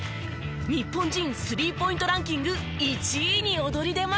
日本人スリーポイントランキング１位に躍り出ました。